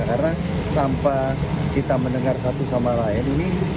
karena tanpa kita mendengar satu sama lain ini